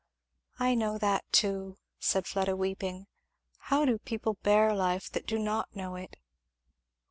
'" "I know that too," said Fleda weeping. "How do people bear life that do not know it!"